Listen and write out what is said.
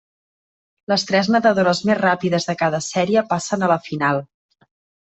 Les tres nedadores més ràpides de cada sèrie passen a la final.